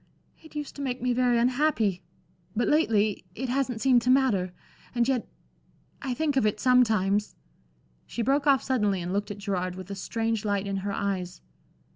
"It used to make me very unhappy but lately it hasn't seemed to matter. And yet I think of it sometimes" She broke off suddenly and looked at Gerard with a strange light in her eyes.